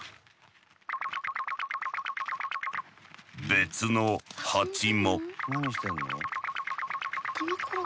別のハチも。